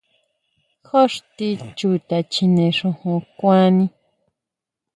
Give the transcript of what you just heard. Jon xtín Chuta chjine xojon kuani.